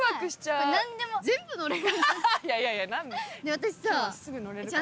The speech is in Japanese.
私さ。